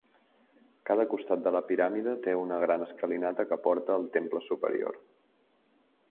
Cada costat de la piràmide té una gran escalinata que porta al temple superior.